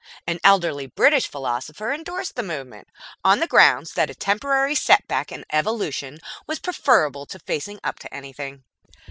An elderly British philosopher endorsed the movement, on the grounds that a temporary setback in Evolution was preferable to facing up to anything.